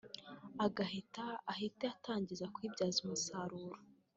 agahita ahite atangira kuyibyaza umusaruro